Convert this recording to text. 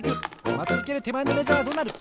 まちうけるてまえのメジャーはどうなる？